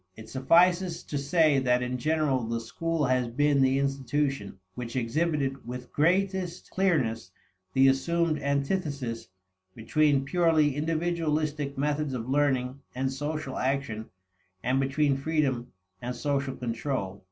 It suffices to say that in general the school has been the institution which exhibited with greatest clearness the assumed antithesis between purely individualistic methods of learning and social action, and between freedom and social control.